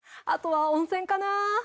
あとは温泉かな。